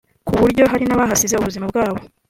ku buryo hari n’abahasize ubuzima bwabo